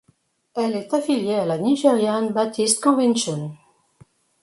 Elle est affiliée à la Nigerian Baptist Convention.